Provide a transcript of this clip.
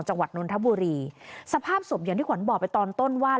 นนทบุรีสภาพศพอย่างที่ขวัญบอกไปตอนต้นว่า